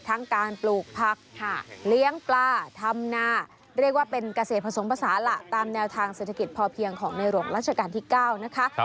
ทั้งการปลูกผักเลี้ยงปลาทำนาเรียกว่าเป็นเกษตรผสมภาษาล่ะตามแนวทางเศรษฐกิจพอเพียงของในหลวงราชการที่๙นะคะ